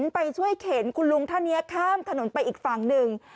ไปช่วยเข็นคุณลุงท่านนี้ข้ามถนนไปอีกฝั่งหนึ่ง